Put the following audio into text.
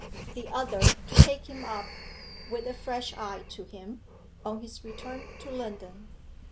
The other to take him up, with a fresh eye to him, on his return to London.